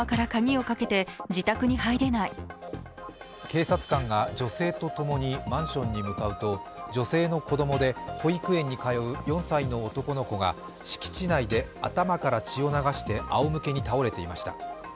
警察官が女性と共にマンションに向かうと女性の子供で保育園に通う４歳の男の子が敷地内で頭から血を流してあおむけに倒れていました。